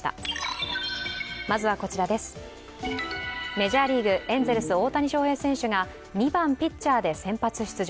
メジャーリーグ、エンゼルス・大谷翔平選手が２番・ピッチャーで先発出場。